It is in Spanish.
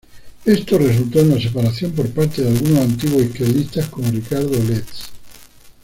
Esto resultó en la separación por parte de algunos antiguos izquierdistas, como Ricardo Letts.